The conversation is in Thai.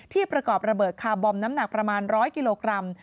ประกอบระเบิดคาร์บอมน้ำหนักประมาณ๑๐๐กิโลกรัม